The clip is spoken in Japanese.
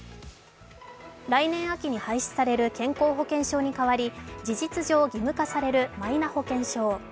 来年秋に廃止される健康保険証に変わり事実上義務化されるマイナ保険証。